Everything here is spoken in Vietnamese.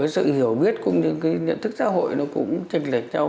sự hiểu biết cũng như nhận thức xã hội cũng tranh lệch nhau